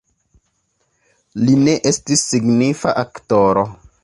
Li ne estis signifa aktoro.